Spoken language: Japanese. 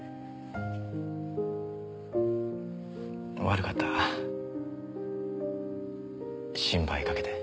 悪かった心配かけて。